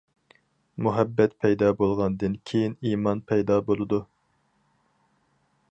مۇھەببەت پەيدا بولغاندىن كېيىن ئىمان پەيدا بولىدۇ.